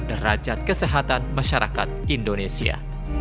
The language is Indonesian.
derajat kesehatan masyarakat indonesia